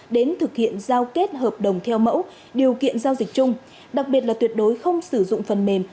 đến thực hiện giao kết hợp đồng theo mẫu điều kiện giao dịch chung đặc biệt là tuyệt đối không sử dụng phần mềm